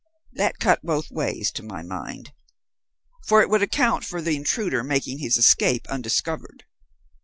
That cut both ways, to my mind. For it would account for the intruder making his escape undiscovered.